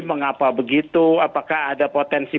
mengapa begitu apakah ada potensi